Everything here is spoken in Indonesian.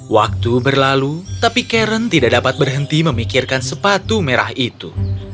waktu berlalu tapi karen tidak dapat berhenti memikirkan sepatu merah itu